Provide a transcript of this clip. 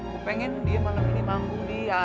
gue pengen dia malam ini mampu di